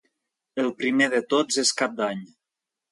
El primer de Tots és Cap d'Any.